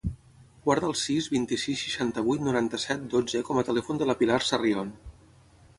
Guarda el sis, vint-i-sis, seixanta-vuit, noranta-set, dotze com a telèfon de la Pilar Sarrion.